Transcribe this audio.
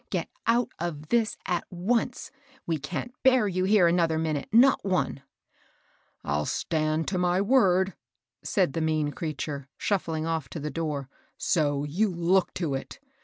Get out of this at once, — we can't bear you here another minute, — not one 1 "" I'll stand to my word," said the mean creature. ANOTHER VISITOR. 333 shuffling off to the door; "so you look to it!